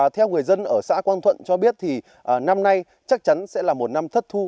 theo người dân ở xã quang thuận cho biết thì năm nay chắc chắn sẽ là một năm thất thu